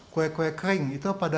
kue kue kering itu per seratus gram